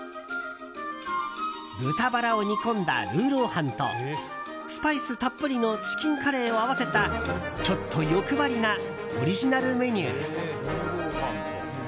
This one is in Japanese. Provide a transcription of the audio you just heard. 豚バラを煮込んだ魯肉飯とスパイスたっぷりのチキンカレーを合わせたちょっと欲張りなオリジナルメニューです。